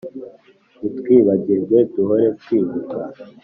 ntitwibagirwe duhore twibuka